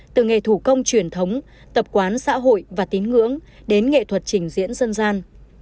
từ nghề thủ công truyền thống tập quán xã hội và tín ngưỡng đến nghệ thuật trình diễn dân gian